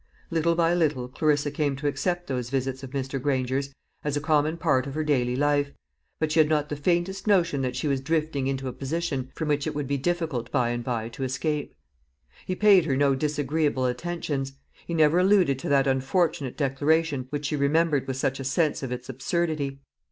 Little by little Clarissa came to accept those visits of Mr. Granger's as a common part of her daily life; but she had not the faintest notion that she was drifting into a position from which it would be difficult by and by to escape. He paid her no disagreeable attentions; he never alluded to that unfortunate declaration which she remembered with such a sense of its absurdity.